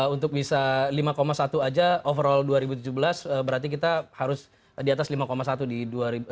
untuk bisa lima satu saja overall dua ribu tujuh belas berarti kita harus di atas lima satu di kuartal